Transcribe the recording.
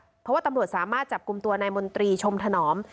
เพราะว่าตำรวจสามารถจับกลุ่มตัวนายมนตรีชมถนอม